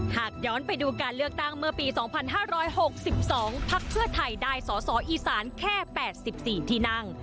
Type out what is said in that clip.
หากย้อนไปดูการเลือกตั้งเมื่อปี๒๕๖๒พักเพื่อไทยได้สอสออีสานแค่๘๔ที่นั่ง